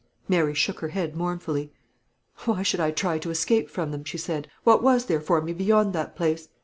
Mary shook her head mournfully. "Why should I try to escape from them?" she said. "What was there for me beyond that place?